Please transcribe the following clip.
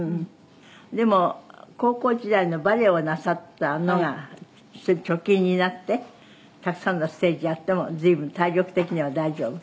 でも高校時代のバレーをなさったのが貯金になってたくさんのステージやっても随分体力的には大丈夫。